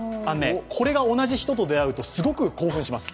これが同じ人と出会うとすごく興奮します。